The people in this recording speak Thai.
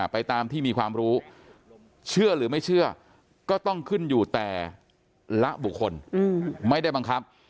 ไปตามที่มีความรู้เชื่อหรือไม่เชื่อก็ต้องขึ้นอยู่แต่ละบุคคลไม่ได้บังคับ